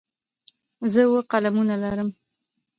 زه اووه قلمونه لرم.